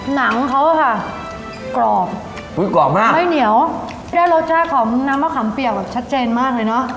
หนังเขาอะค่ะกรอบอุ้ยกรอบมากไม่เหนียวได้รสชาติของน้ำมะขามเปียกแบบชัดเจนมากเลยเนอะ